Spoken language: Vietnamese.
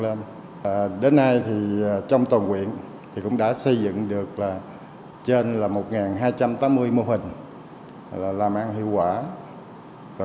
lên đến nay thì trong tòa nguyện thì cũng đã xây dựng được là trên là một hai trăm tám mươi mô hình làm ăn hiệu quả